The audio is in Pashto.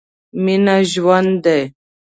مينه ژوند دی.